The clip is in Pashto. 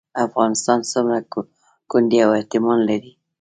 افغانستان څومره کونډې او یتیمان لري؟